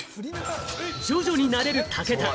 徐々に慣れる武田。